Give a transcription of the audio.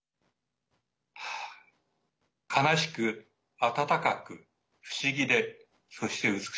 悲しく、温かく、不思議でそして美しい。